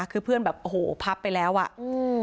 คือเพื่อนแบบโอ้โหพับไปแล้วอ่ะอืม